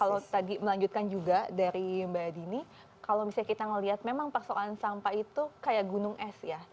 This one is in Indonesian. kalau tadi melanjutkan juga dari mbak dini kalau misalnya kita melihat memang persoalan sampah itu kayak gunung es ya